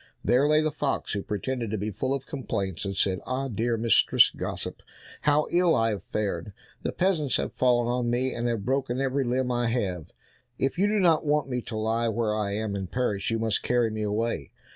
There lay the fox, who pretended to be full of complaints, and said, "Ah, dear Mistress Gossip, how ill I have fared, the peasants have fallen on me, and have broken every limb I have; if you do not want me to lie where I am and perish, you must carry me away."